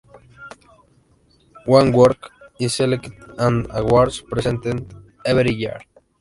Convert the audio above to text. One work is selected and awards presented every year.